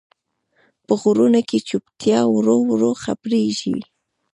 په غرونو کې چوپتیا ورو ورو خپرېږي.